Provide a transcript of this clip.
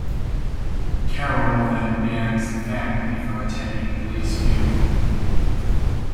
Carol then bans the family from attending Billie's funeral.